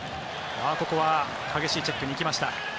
ここは激しいチェックに行きました。